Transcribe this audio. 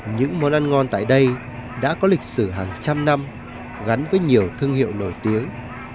những món ăn ngon tại đây đã có lịch sử hàng trăm năm gắn với nhiều thương hiệu nổi tiếng